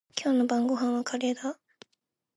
今日の晩ごはんはカレーだ。